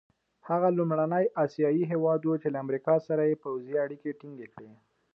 هغه لومړنی اسیایي هېواد وو چې له امریکا سره یې پوځي اړیکي ټینګې کړې.